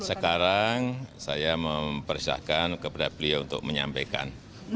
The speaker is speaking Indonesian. sekarang saya mempersilahkan kepada beliau untuk menyampaikan